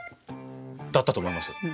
だったと思いますよ。